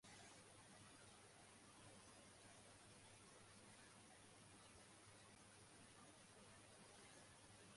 আয়তনের দিক থেকে এটি বাঁশখালী উপজেলার সবচেয়ে ছোট ইউনিয়ন।